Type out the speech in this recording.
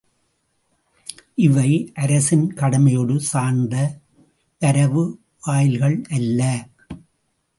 இவை அரசின் கடமையொடு சார்ந்த வரவு வாயில்கள் அல்ல.